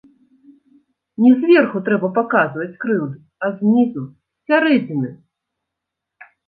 Не зверху трэба паказваць крыўду, а знізу, з сярэдзіны.